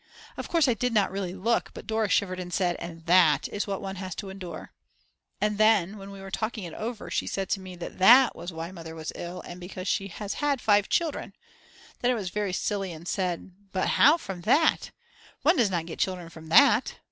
Of course I did not really look, but Dora shivered and said: "And that is what one has to endure." And then, when we were talking it over she said to me that that was why Mother was ill and because she has had five children; Then I was very silly and said: "But how from that? one does not get children from that?"